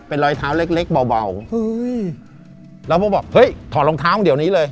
เป็นรอยเท้าเล็กเล็กเบาเฮ้ยแล้วก็บอกเฮ้ยถอดรองเท้าเดี๋ยวนี้เลย